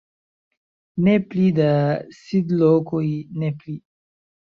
"Ne pli da sidlokoj, ne pli!"